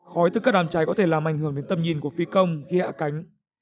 khói từ các đám cháy có thể làm ảnh hưởng đến tầm nhìn của phi công khi hạ cánh